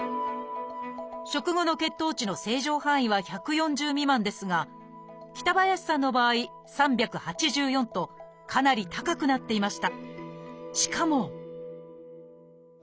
食後の血糖値の正常範囲は１４０未満ですが北林さんの場合３８４とかなり高くなっていました。